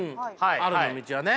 あるの道はね。ね？